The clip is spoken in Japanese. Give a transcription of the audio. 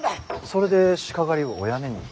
それで鹿狩りをおやめに。